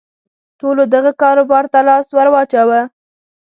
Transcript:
ټولو دغه کاروبار ته لاس ور واچاوه.